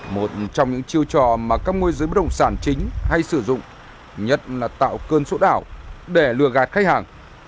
một trong những chiêu trò mà các môi giới bất động sản chính hay sử dụng nhất là tạo cơn sốt ảo để lừa gạt khách hàng